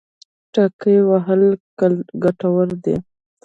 ټکی وهل ګټور دی.